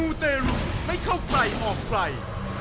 มูเตรุไม่เข้าใกล้ออกไกล